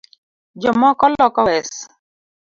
Jo moko Loko wes